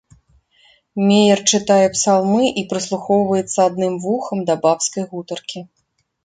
Меер чытае псалмы і прыслухоўваецца адным вухам да бабскай гутаркі.